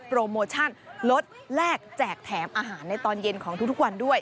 โรชั่นลดแลกแจกแถมอาหารในตอนเย็นของทุกวันด้วย